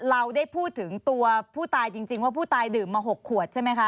เราได้พูดถึงตัวผู้ตายจริงว่าผู้ตายดื่มมา๖ขวดใช่ไหมคะ